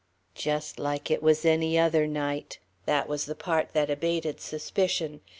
"Just ... like it was any other night." That was the part that abated suspicion.